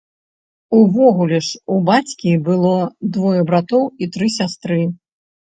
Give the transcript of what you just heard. Увогуле ж у бацькі было двое братоў і тры сястры.